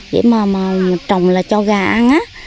để mà trồng là cho gà ăn á